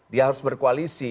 dia harus berkoalisi